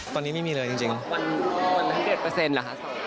ตอนนี้ให้มีอะไรจริง